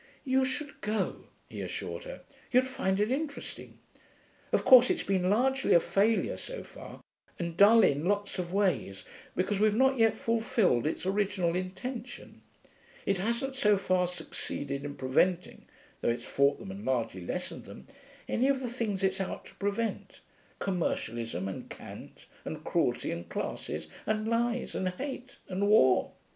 'You should go,' he assured her. 'You'd find it interesting.... Of course it's been largely a failure so far, and dull in lots of ways, because we've not yet fulfilled its original intention; it hasn't so far succeeded in preventing (though it's fought them and largely lessened them) any of the things it's out to prevent commercialism and cant and cruelty and classes and lies and hate and war.